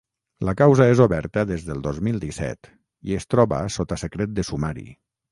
La causa és oberta des del dos mil disset i es troba sota secret de sumari.